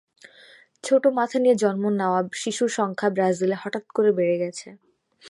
ছোট মাথা নিয়ে জন্ম নেওয়া শিশুর সংখ্যা ব্রাজিলে হঠাৎ করে বেড়ে গেছে।